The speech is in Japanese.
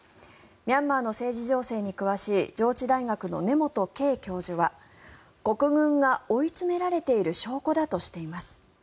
ミャンマーの政治情勢に詳しい上智大学の根本敬教授は国軍が追い詰められている証拠だとしています。